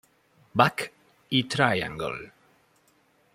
Back y Triangle.